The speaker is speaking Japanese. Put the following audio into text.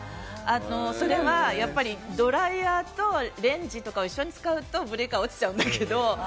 それはやっぱりドライヤーとレンジとかを一緒に使うと、ブレーカーが落ちちゃったりするけど。